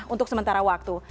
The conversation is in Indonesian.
nah untuk sementara waktu